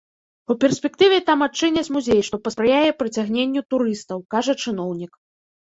У перспектыве там адчыняць музей, што паспрыяе прыцягненню турыстаў, кажа чыноўнік.